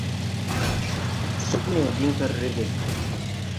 Sug nee diŋ fen rege.